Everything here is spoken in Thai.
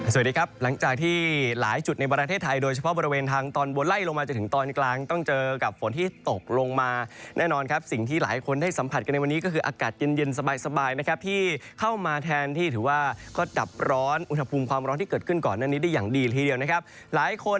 สวัสดีครับหลังจากที่หลายจุดในประเทศไทยโดยเฉพาะบริเวณทางตอนบนไล่ลงมาจนถึงตอนกลางต้องเจอกับฝนที่ตกลงมาแน่นอนครับสิ่งที่หลายคนได้สัมผัสกันในวันนี้ก็คืออากาศเย็นเย็นสบายสบายนะครับที่เข้ามาแทนที่ถือว่าก็ดับร้อนอุณหภูมิความร้อนที่เกิดขึ้นก่อนหน้านี้ได้อย่างดีละทีเดียวนะครับหลายคน